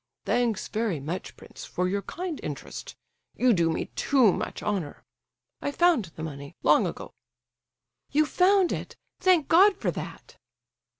"Thanks very much, prince, for your kind interest—you do me too much honour. I found the money, long ago!" "You found it? Thank God for that!"